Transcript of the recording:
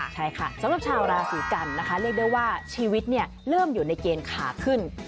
ใช่ค่ะสำหรับชาวราศีกันนะคะเรียกได้ว่าชีวิตเริ่มอยู่ในเกณฑ์ขาขึ้น